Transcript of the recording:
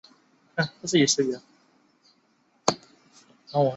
乖，很快就没事了